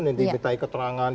nanti betai keterangan